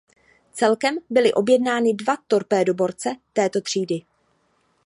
Celkem byly objednány dva torpédoborce této třídy.